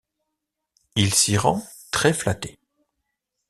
Il s'y rend, très flatté.